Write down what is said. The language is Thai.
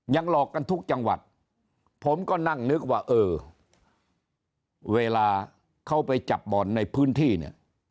หลอกกันทุกจังหวัดผมก็นั่งนึกว่าเออเวลาเขาไปจับบ่อนในพื้นที่เนี่ย